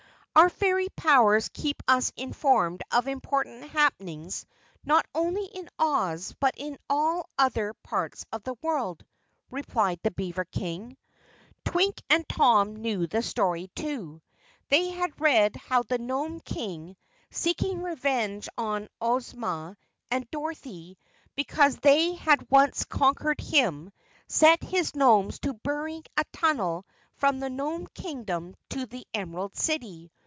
"Our fairy powers keep us informed of important happenings not only in Oz but in all other parts of the world," replied the beaver King. Twink and Tom knew the story, too. They had read how the Nome King, seeking revenge on Ozma and Dorothy because they had once conquered him, set his Nomes to burrowing a tunnel from the Nome Kingdom to the Emerald City.